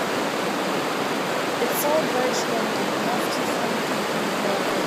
It sold very strongly, enough to form a company, Hero Games.